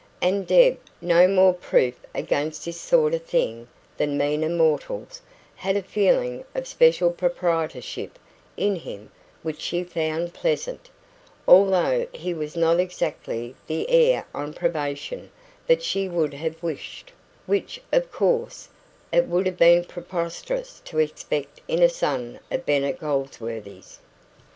And Deb, no more proof against this sort of thing than meaner mortals, had a feeling of special proprietorship in him which she found pleasant, although he was not exactly the heir on probation that she could have wished; which, of course, it would have been preposterous to expect in a son of Bennet Goldsworthy's.